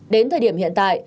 đến thời điểm hiện tại